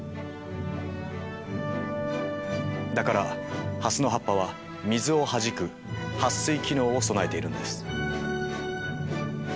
だからハスの葉っぱは水をはじく撥水機能を備えているんです。